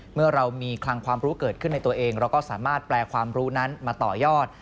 เมื่อเรามีคลังความรู้เกิดขึ้นในตัวเองเราก็สามารถแปลความรู้นั้นมาต่อยอด